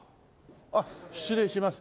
あっ失礼します。